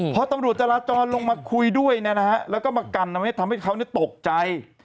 พอตำรวจจราจรลงมาคุยด้วยแล้วก็มากันทำให้เขาตกใจ